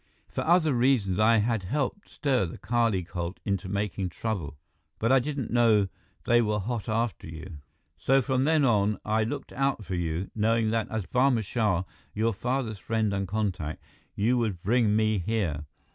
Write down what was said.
"For other reasons, I had helped stir the Kali cult into making trouble, but I didn't know they were hot after you. So from then on, I looked out for you, knowing that as Barma Shah, your father's friend and contact, you would bring me here.